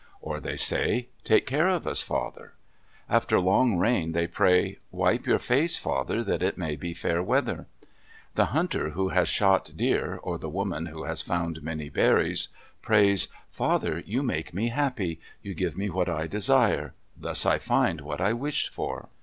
Or they say, "Take care of us, Father." After long rain, they pray, "Wipe your face, Father, that it may be fair weather." The hunter who has shot deer, or the woman who has found many berries, prays, "Father, you make me happy; you give me what I desire; thus I find what I wished for!"